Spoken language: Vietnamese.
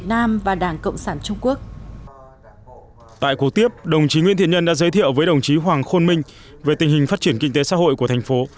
tại cuộc tiếp đồng chí nguyễn thiện nhân đã giới thiệu với đồng chí hoàng khôn minh về tình hình phát triển kinh tế xã hội của thành phố